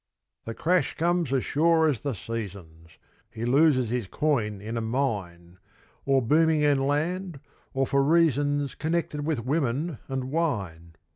The crash comes as sure as the seasons; He loses his coin in a mine, Or booming in land, or for reasons Connected with women and wine.